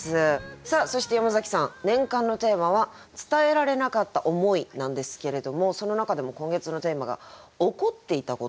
さあそして山崎さん年間のテーマは「伝えられなかった思い」なんですけれどもその中でも今月のテーマが「怒っていたこと」。